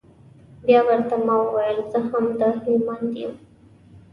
بيا ورته ما وويل زه هم د هلمند يم.